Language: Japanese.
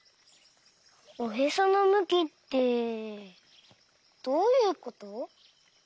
おへそのむきってどういうこと？